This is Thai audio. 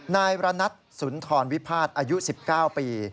นายรณัทสุนทรวิพาทอายุ๑๙ปี